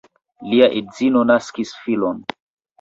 Lia edzino naskis filon.